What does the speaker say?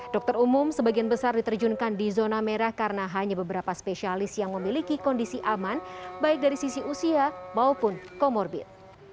dokter umum sebagian besar diterjunkan di zona merah karena hanya beberapa spesialis yang memiliki kondisi aman baik dari sisi usia maupun comorbid